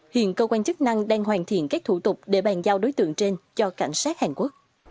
hiện cơ quan chức năng đang hoàn thiện các thủ tục để bàn giao đối tượng trên cho cảnh sát hàn quốc